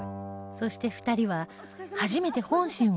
そして２人は初めて本心を語り合う